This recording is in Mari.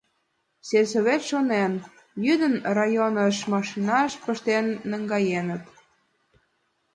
Сельсовет шонен: йӱдым районыш машинаш пыштен наҥгаеныт.